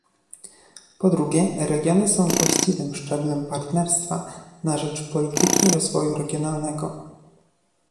Po drugie, regiony są właściwym szczeblem partnerstwa na rzecz polityki rozwoju regionalnego